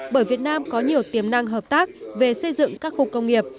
bởi việt nam có nhiều tiềm năng hợp tác về xây dựng các khu công nghiệp